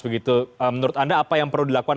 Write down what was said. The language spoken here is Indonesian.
begitu menurut anda apa yang perlu dilakukan